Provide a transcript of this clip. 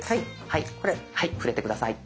はい触れて下さい。